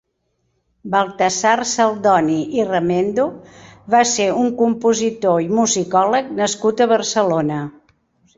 Baltasar Saldoni i Remendo va ser un compositor i musicòleg nascut a Barcelona.